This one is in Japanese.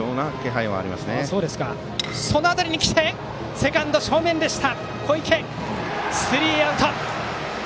セカンド正面でした小池つかんでスリーアウト。